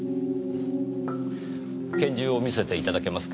拳銃を見せていただけますか。